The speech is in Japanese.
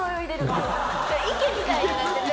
池みたいになってて。